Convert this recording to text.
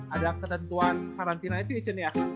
ada ketentuan karantina itu icin ya